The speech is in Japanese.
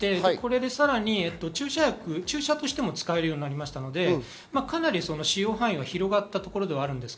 さらに注射としても使えるようになったので、かなり使用範囲は広がったところではあります。